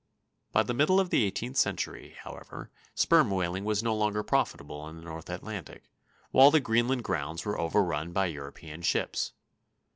By the middle of the eighteenth century, however, sperm whaling was no longer profitable in the Northern Atlantic, while the Greenland grounds were overrun by European ships.